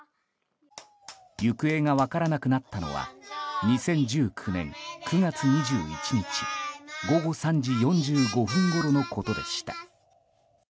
行方が分からなくなったのは２０１９年９月２１日午後３時４５分ごろのことでした。